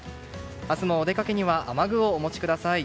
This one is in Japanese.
明日のお出かけには雨具をお持ちください。